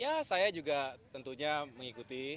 ya saya juga tentunya mengikuti